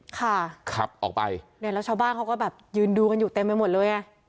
ขับออกไปเนี่ยแล้วชาวบ้านเขาก็แบบยืนดูกันอยู่เต็มไปหมดเลยไง